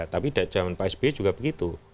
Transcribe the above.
tapi zaman pak sby juga begitu